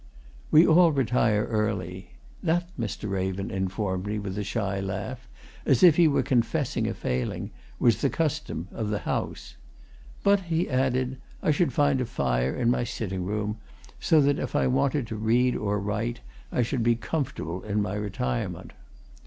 We all retire early that, Mr. Raven informed me with a shy laugh, as if he were confessing a failing, was the custom of the house. But, he added, I should find a fire in my sitting room, so that if I wanted to read or write, I should be comfortable in my retirement.